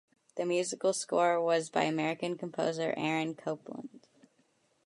The musical score was by American composer Aaron Copland.